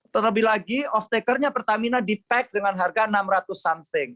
terlebih lagi off takernya pertamina di pack dengan harga enam ratus something